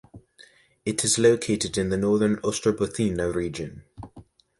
It is located in the Northern Ostrobothnia region.